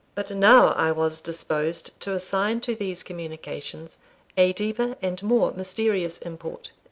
But now I was disposed to assign to these communications a deeper and more mysterious import.